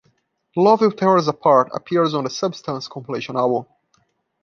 "Love Will Tear Us Apart" appears on the "Substance" compilation album.